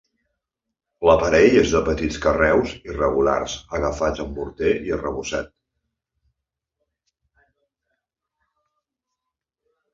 L'aparell és de petits carreus irregulars agafats amb morter i arrebossat.